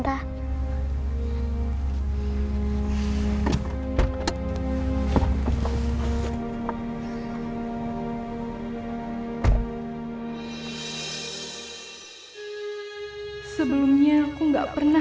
kamu pergi ke sana